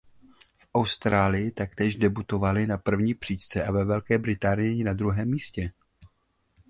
V Austrálii taktéž debutoval na první příčce a ve Velké Británii na místě druhém.